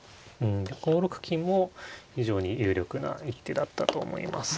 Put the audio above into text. ５六金も非常に有力な一手だったと思います。